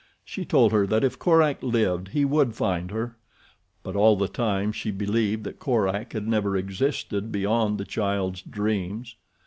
She told her that if Korak lived he would find her; but all the time she believed that Korak had never existed beyond the child's dreams.